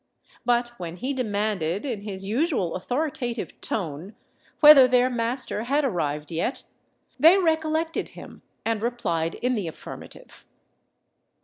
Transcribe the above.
But when he demanded, in his usual authoritative tone, whether their master had arrived yet, they recollected him, and replied in the affirmative.